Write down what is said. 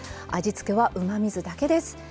味付けはうまみ酢だけです。